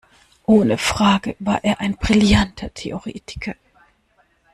Ohne Frage war er ein brillanter Theoretiker.